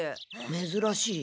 めずらしい。